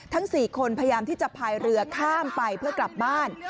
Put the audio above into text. ทั้ง๔คนพยายามที่จะพายเรือข้ามไปเพื่อกลับบ้าน